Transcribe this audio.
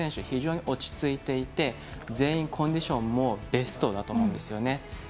非常に落ち着いていて全員コンディションもベストだと思うんですよね。